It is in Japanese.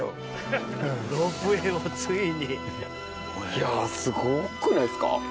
いやすごくないですか。